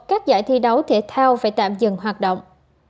các giải thi đấu thể thao phải tạm dừng hoạt động